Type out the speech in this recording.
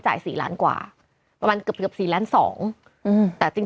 สี่ล้านกว่าประมาณเกือบเกือบสี่ล้านสองอืมแต่จริง